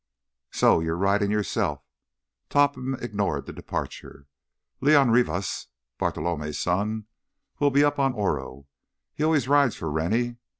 "So you're riding yourself." Topham ignored the departure. "León Rivas, Bartolomé's son, will be up on Oro; he always rides for Rennie.